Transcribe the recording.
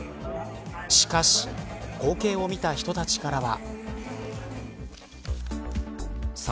しかし、光景を見た人たちからは。